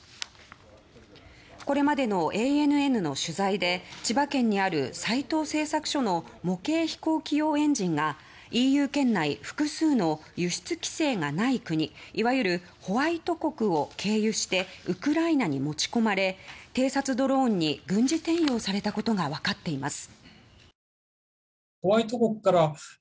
これまでのＡＮＮの取材で千葉県にある斎藤製作所の模型飛行機用エンジンがＥＵ圏内複数の輸出規制がない国いわゆるホワイト国を経由してウクライナに持ち込まれ偵察ドローンに軍事転用されたことがわかっています。